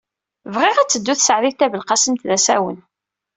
Bɣiɣ ad teddu Taseɛdit Tabelqasemt d asawen.